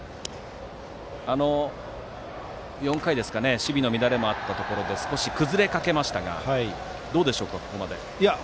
４回に守備の乱れもあったところで少し崩れかけましたがどうでしょうか、ここまで。